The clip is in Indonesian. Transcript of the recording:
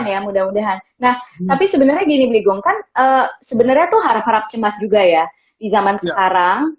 ya mudah mudahan nah tapi sebenarnya gini bligong kan sebenarnya tuh harap harap cemas juga ya di zaman sekarang